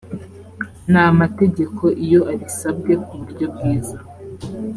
n amategeko iyo abisabwe ku buryo bwiza